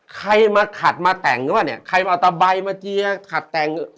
ใครมาขัดมาแต่งหรือเปล่าเนี่ยใครมาเอาตะใบมาเจียร์ขัดแต่ง